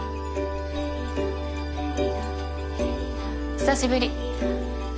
・久しぶり。